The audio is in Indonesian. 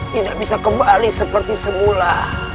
tidak bisa kembali seperti semula